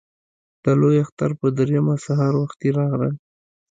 د لوی اختر په درېیمه سهار وختي راغلل.